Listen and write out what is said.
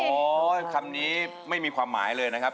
คำนี้ไม่มีความหมายเลยนะครับ